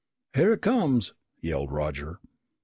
"Here it comes!" yelled Roger.